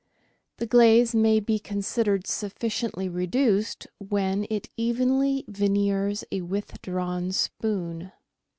The glaze may be considered suffi ciently reduced when it evenly veneers a withdrawn spoon.